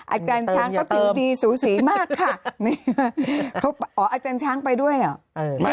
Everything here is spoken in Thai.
อาจารย์ช้างก็ตีสูสีมากค่ะอ๋ออาจารย์ช้างไปด้วยเหรอ